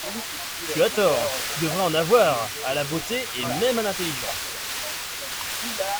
Tu as tort ; tu devrais en avoir, à la beauté, et même à l'intelligence.